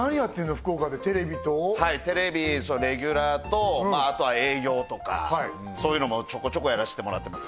福岡でテレビとテレビレギュラーとあとは営業とかそういうのもちょこちょこやらしてもらってます